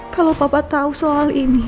kalau papa tahu soal ini